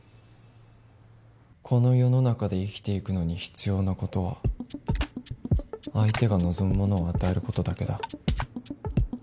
この世の中で生きていくのに必要なことは相手が望むものを与えることだけだ